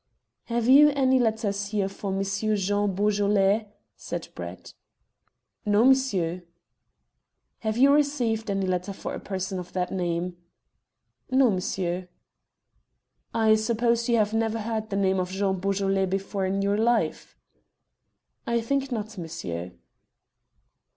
"Have you any letters here for Monsieur Jean Beaujolais?" said Brett. "No, monsieur." "Have you received any letters for a person of that name?" "No, monsieur." "I suppose you never heard the name of Jean Beaujolais before in your life?" "I think not, monsieur."